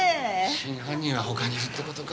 真犯人は他にいるって事か。